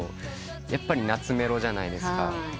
やっぱり懐メロじゃないですか。